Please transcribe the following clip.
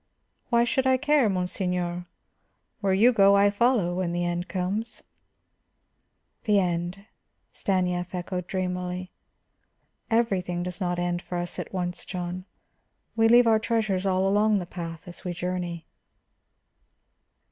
"Why should I care, monseigneur? Where you go, I follow, when the end comes." "The end," Stanief echoed dreamily. "Everything does not end for us at once, John; we leave our treasures all along the path as we journey."